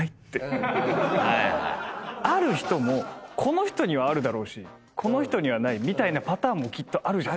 ある人もこの人にはあるだろうしこの人にはないみたいなパターンもきっとあるじゃん。